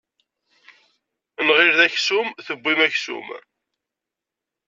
Nɣil d aksum tewwim aksum.